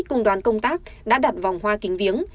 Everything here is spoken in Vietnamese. cùng đoàn công tác đã đặt vòng hoa kính viếng